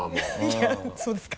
いやそうですか？